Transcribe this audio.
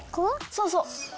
そうそう。